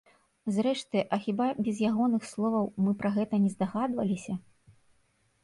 Зрэшты, а хіба без ягоных словаў мы пра гэта не здагадваліся?